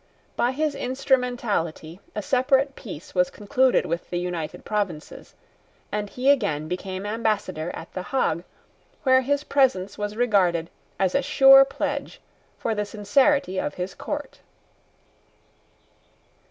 By his instrumentality a separate peace was concluded with the United Provinces; and he again became ambassador at the Hague, where his presence was regarded as a sure pledge for the sincerity of his court.